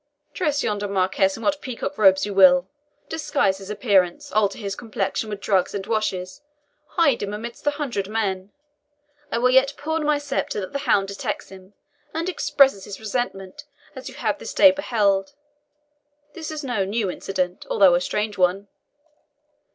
Dress yonder marquis in what peacock robes you will, disguise his appearance, alter his complexion with drugs and washes, hide him amidst a hundred men, I will yet pawn my sceptre that the hound detects him, and expresses his resentment, as you have this day beheld. This is no new incident, although a strange one.